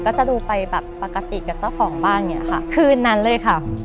ก็จะดูไปแบบปกติกับเจ้าของบ้านอย่างเงี้ยค่ะคืนนั้นเลยค่ะ